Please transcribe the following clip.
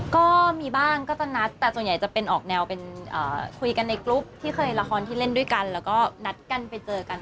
ก็มีบ้างก็จะนัดแต่ส่วนใหญ่จะเป็นออกแนวเป็นคุยกันในกรุ๊ปที่เคยละครที่เล่นด้วยกันแล้วก็นัดกันไปเจอกัน